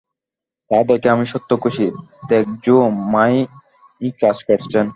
তা দেখে আমি সত্যি খুশী! দেখ জো, মা-ই কাজ করছেন।